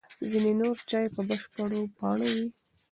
ځینې نور چای په بشپړو پاڼو وي.